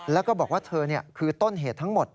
แล้วก็บอกว่าเธอคือต้นเหตุทั้งหมด